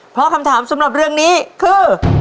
เพราะคำถามสำหรับเรื่องนี้คือ